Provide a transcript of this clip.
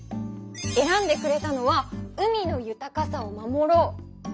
えらんでくれたのは「海の豊かさを守ろう」だね！